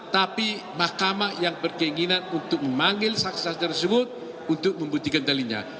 tapi mahkamah yang berkeinginan untuk memanggil saksesan tersebut untuk membuktikan telinya